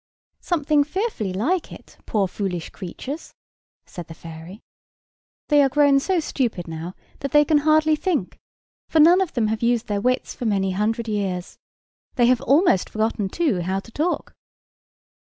"Something fearfully like it, poor foolish creatures," said the fairy. "They are grown so stupid now, that they can hardly think: for none of them have used their wits for many hundred years. They have almost forgotten, too, how to talk.